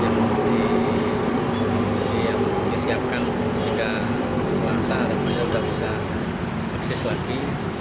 yang bisa disiapkan sehingga selama sehari hari sudah bisa eksis lagi